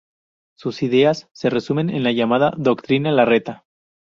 Sus ideas se resumen en la llamada "doctrina Larreta".